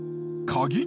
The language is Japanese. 鍵？